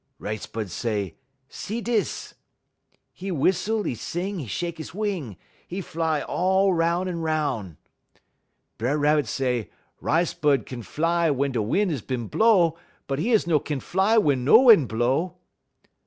"Rice bud say: 'See dis!' "'E wissle, 'e sing, 'e shek 'e wing; 'e fly all 'roun' un 'roun'. "B'er Rabbit say rice bud kin fly wey da win' is bin blow, but 'e no kin fly wey no win' blow.